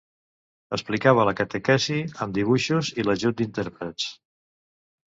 Explicava la catequesi amb dibuixos i l'ajut d'intèrprets.